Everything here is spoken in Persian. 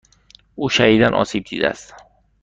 او شدیدا آسیب دیده است.